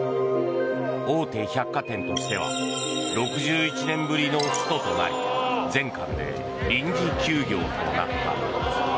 大手百貨店としては６１年ぶりのストとなり全館で臨時休業となった。